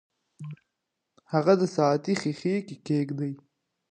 هغه د ساعتي ښيښې کې کیږدئ.